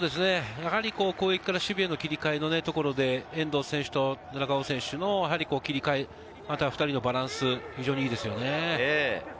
やはり攻撃から守備への切り替えのところで遠藤選手と田中碧選手の切り替え、または２人のバランス、非常にいいですね。